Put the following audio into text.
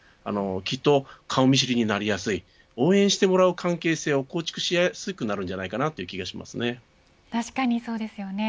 きっと顔見知りになりやすい応援してもらう関係性を構築しやすくなるという確かにそうですよね。